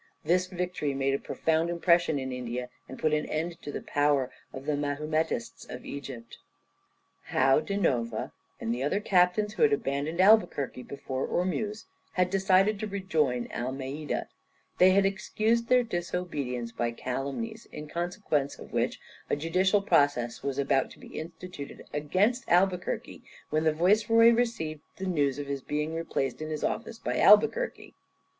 This victory made a profound impression in India, and put an end to the power of the Mahumetists of Egypt. Joao da Nova and the other captains, who had abandoned Albuquerque before Ormuz, had decided to rejoin Almeida; they had excused their disobedience by calumnies, in consequence of which a judicial process was about to be instituted against Albuquerque, when the viceroy received the news of his being replaced in his office by Albuquerque.